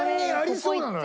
そうなのよ。